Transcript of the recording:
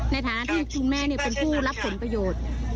ในฐานะที่คุณแม่เป็นผู้รับคุณประโยชน์โดยสายเลือด